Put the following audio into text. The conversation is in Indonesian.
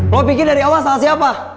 kalau pikir dari awal salah siapa